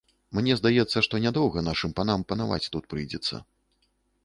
Мне здаецца, што нядоўга нашым панам панаваць тут прыйдзецца.